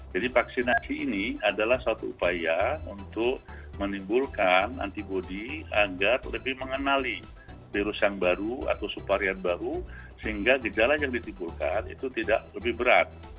jadi vaksinasi ini adalah suatu upaya untuk menimbulkan antibodi agar lebih mengenali virus yang baru atau suparian baru sehingga gejala yang ditimbulkan itu tidak lebih berat